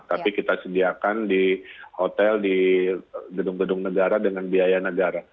tapi kita sediakan di hotel di gedung gedung negara dengan biaya negara